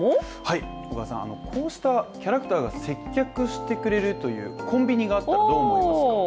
こうしたキャラクターが接客してくれるというコンビニがあったら、どう思いますか？